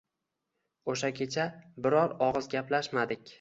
O‘sha kecha biror og‘iz gaplashmadik